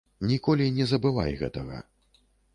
Ніколі не забывай гэтага.